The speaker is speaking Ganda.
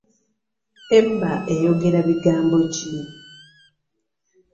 Eba eyogera bigambo ki?